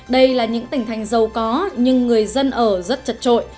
đây là những tỉnh thành giàu có nhưng người dân ở rất chật trội